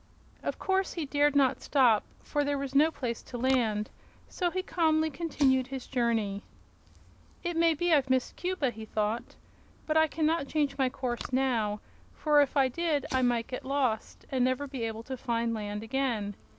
Of course he dared no stop, for there was no place to land; so he calmly continued his journey. "It may be I've missed Cuba," he thought; "but I can not change my course now, for if I did I might get lost, and never be able to find land again.